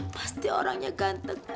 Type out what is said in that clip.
pasti orangnya ganteng